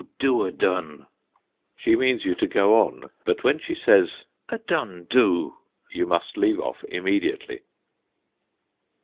do adone," she means you to go on; but when she says, "Adone do," you must leave off immediately.